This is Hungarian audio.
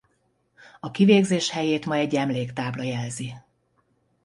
A kivégzés helyét ma egy emléktábla jelzi.